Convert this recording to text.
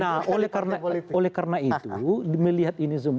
nah oleh karena itu melihat ini semua